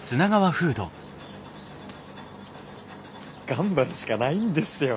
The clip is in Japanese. ・頑張るしかないんですよ。